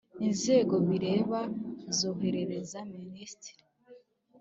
inzego bireba zoherereza minisitiri